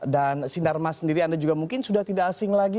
dan sinarmas sendiri anda juga mungkin sudah tidak asing lagi